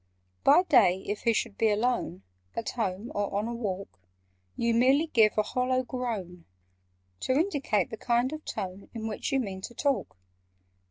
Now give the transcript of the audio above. "By day, if he should be alone— At home or on a walk— You merely give a hollow groan, To indicate the kind of tone In which you mean to talk.